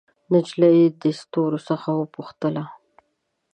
نجلۍ د ستورو څخه وپوښتله